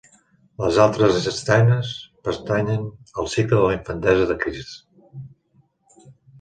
Les altres escenes pertanyen al cicle de la infantesa de Crist.